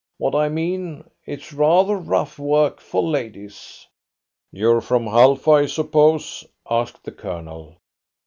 What I mean, it's rather rough work for ladies." "You're from Halfa, I suppose?" asked the Colonel.